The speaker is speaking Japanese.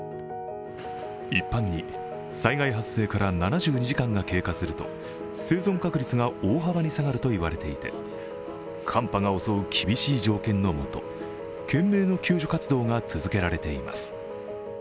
一般に災害発生から７２時間が経過すると生存確率が大幅に下がるといわれていて寒波が襲う厳しい条件のもと、懸命の救助活動が続けられています。